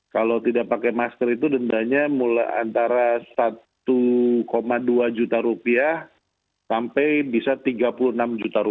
kalau tidak pakai masker itu dendanya antara rp satu dua juta rupiah sampai bisa rp tiga puluh enam juta